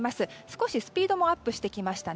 少しスピードもアップしてきました。